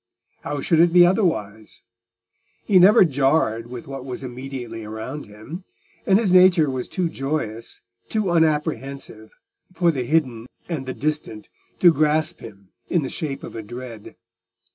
How should it be otherwise? He never jarred with what was immediately around him, and his nature was too joyous, too unapprehensive, for the hidden and the distant to grasp him in the shape of a dread.